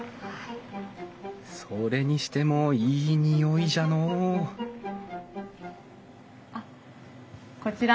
それにしてもいい匂いじゃのうあっこちら